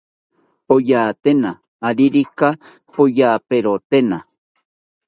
Poyatena aririka poyaperotena